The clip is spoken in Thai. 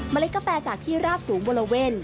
เล็ดกาแฟจากที่ราบสูงบริเวณ